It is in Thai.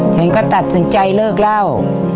ฉันก็ตัดสินใจเลิกเล่า